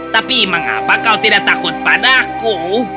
tapi mengapa kau tidak takut padaku